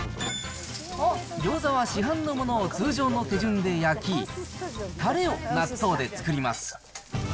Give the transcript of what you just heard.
ギョーザは市販のものを通常の手順で焼き、たれを納豆で作ります。